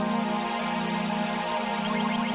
itu alasannya papa gak membiarkan kamu ketemu sama nino